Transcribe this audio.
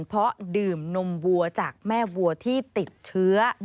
เพราะดื่มนมวัวจากแม่วัวที่ติดเชื้อ